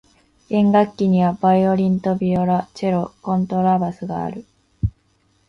弦楽器にはバイオリンとビオラ、チェロ、コントラバスがある。